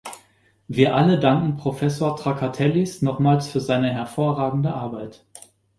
Wir alle danken Professor Trakatellis nochmals für seine hervorragende Arbeit.